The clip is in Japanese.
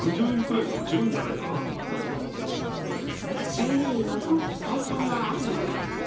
衆議院の早期解散はあるのか。